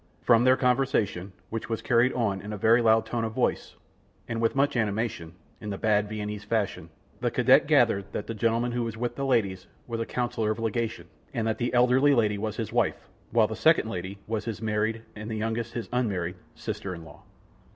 From their conversation, which was carried on in a very loud tone of voice, and with much animation, in the bad, Viennese fashion, the cadet gathered that the gentleman who was with the ladies, was a Councilor of Legation, and that the eldest lady was his wife, while the second lady was his married, and the youngest his unmarried, sister in law.